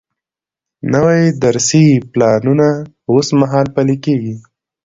نوي درسي پلانونه اوس مهال پلي کیږي.